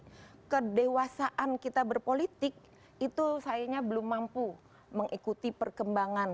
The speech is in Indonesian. tapi kedewasaan kita berpolitik itu sayangnya belum mampu mengikuti perkembangan